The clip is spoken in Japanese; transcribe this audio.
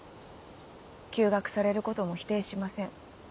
休学されることも否定しません。